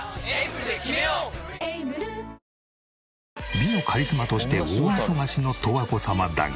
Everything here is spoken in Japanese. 美のカリスマとして大忙しの十和子様だが。